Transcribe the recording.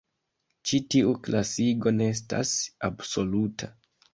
Ĉi tiu klasigo ne estas absoluta.